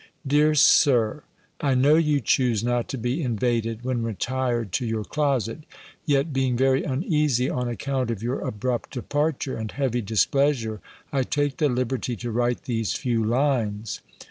"DEAR SIR, "I know you choose not to be invaded, when retired to your closet; yet, being very uneasy, on account of your abrupt departure, and heavy displeasure, I take the liberty to write these few lines.